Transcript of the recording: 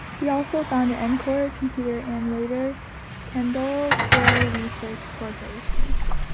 He also founded Encore Computer and, later, Kendall Square Research Corporation.